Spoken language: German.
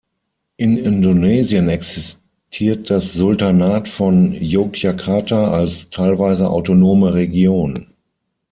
In Indonesien existiert das Sultanat von Yogyakarta als teilweise autonome Region.